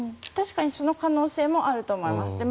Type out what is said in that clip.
確かにその可能性もあると思います。